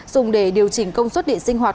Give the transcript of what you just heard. dùng để điều chỉnh công suất điện sinh hoạt